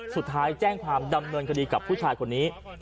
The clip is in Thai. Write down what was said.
แจ้งความดำเนินคดีกับผู้ชายคนนี้